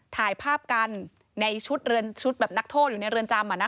ถ่ายภาพกันในชุดแบบนักโทษอยู่ในเรือนจำ